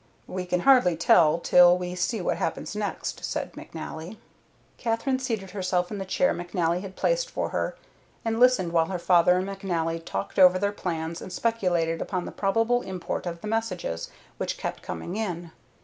"We can hardly tell till we see what happens next," said McNally. Katherine seated herself in the chair McNally had placed for her, and listened while her father and McNally talked over their plans and speculated upon the probable import of the messages which kept coming in.